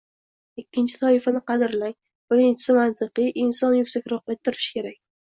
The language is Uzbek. Ikkinchi toifani qadrlang, birinchisi mantiqiy: inson yuksakroqqa intilishi kerak.